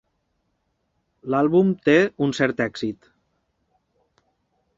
L'àlbum té un cert èxit.